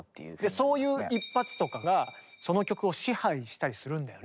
そういう一発とかがその曲を支配したりするんだよね。